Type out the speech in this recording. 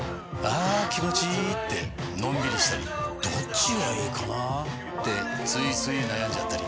あ気持ちいいってのんびりしたりどっちがいいかなってついつい悩んじゃったり。